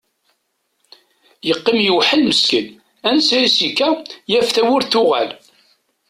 Yeqqim yewḥel meskin, ansa i s-yekka yaf tawwurt tuɣal.